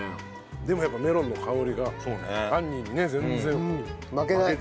でもやっぱメロンの香りが杏仁にね全然負けてない。